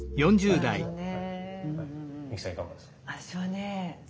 私はね